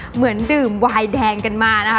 เหมือนดื่มวายแดงกันมานะคะ